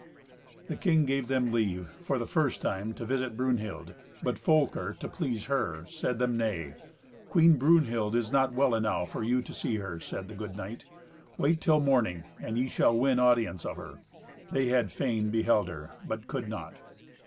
The king gave them leave, for the first time, to visit Brunhild, but Folker, to please her, said them nay. "Queen Brunhild is not well enow for you to see her," said the good knight. "Wait till morning, and ye shall win audience of her." They had fain beheld her, but could not.